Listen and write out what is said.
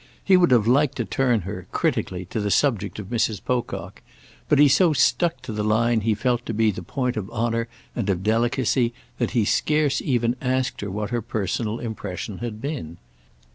He would have liked to turn her, critically, to the subject of Mrs. Pocock, but he so stuck to the line he felt to be the point of honour and of delicacy that he scarce even asked her what her personal impression had been.